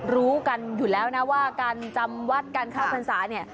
รู้กันอยู่แล้วนะว่าการจำวัดการเข้าพรรษาเนี่ย